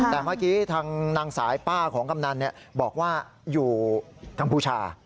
แต่เมื่อกี้ทางนางสายป้าของกำนันบอกว่าอยู่กัมพูชา